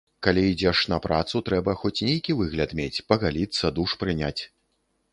Калі ідзеш на працу, трэба хоць нейкі выгляд мець, пагаліцца, душ прыняць.